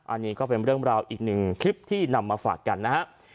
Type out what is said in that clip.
อันนี้ก็เป็นเรื่องราวอีกหนึ่งคลิปที่นำมาฝากกันนะฮะ